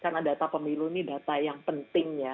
karena data pemilu ini data yang penting ya